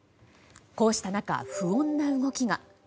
こうした中、不穏な動きが。